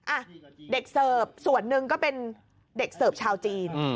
อ่ะเด็กเสิร์ฟส่วนหนึ่งก็เป็นเด็กเสิร์ฟชาวจีน